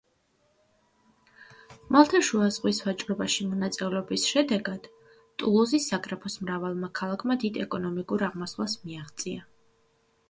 ხმელთაშუა ზღვის ვაჭრობაში მონაწილეობის შედეგად ტულუზის საგრაფოს მრავალმა ქალაქმა დიდ ეკონომიკურ აღმასვლას მიაღწია.